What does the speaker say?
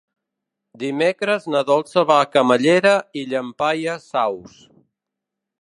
Dimecres na Dolça va a Camallera i Llampaies Saus.